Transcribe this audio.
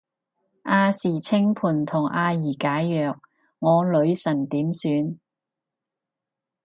亞視清盤同阿儀解約，我女神點算